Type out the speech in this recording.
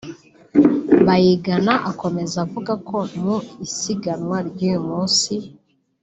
Bayingana akomeza avuga ko mu isiganwa ry’uyu munsi